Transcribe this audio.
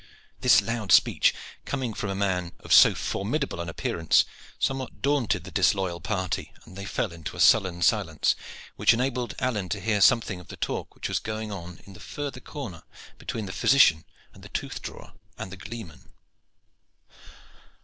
This loud speech, coming from a man of so formidable an appearance, somewhat daunted the disloyal party, and they fell into a sullen silence, which enabled Alleyne to hear something of the talk which was going on in the further corner between the physician, the tooth drawer and the gleeman.